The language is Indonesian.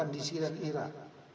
di syria dan iraq